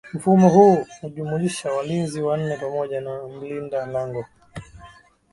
Mfumo huu hujumlisha walinzi wanne pamoja na mlinda lango